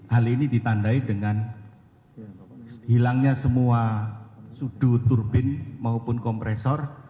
hal ini ditandai dengan hilangnya semua sudut turbin maupun kompresor